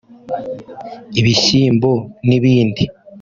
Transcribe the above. ibishyimbo n’ibindi